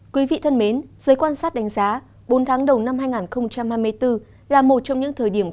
quý vị thân mến giới quan sát đánh giá bốn tháng đầu năm hai nghìn hai mươi bốn là một trong những thời điểm